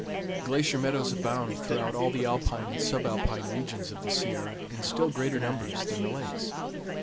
Glacier meadows abound throughout all the alpine and subalpine regions of the Sierra in still greater numbers than the lakes.